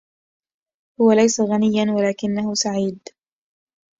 هو ليس غنيا ولكنه سعيد